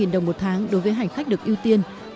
bốn mươi năm đồng một tháng đối với hành khách được ưu tiên